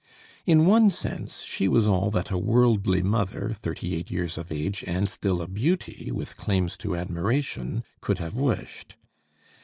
In one sense she was all that a worldly mother, thirty eight years of age and still a beauty with claims to admiration, could have wished.